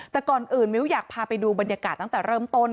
แต่ก่อนอื่นมิ้วอยากพาไปดูบรรยากาศตั้งแต่เริ่มต้น